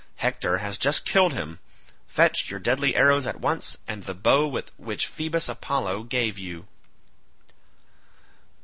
Hector has just killed him; fetch your deadly arrows at once and the bow which Phoebus Apollo gave you."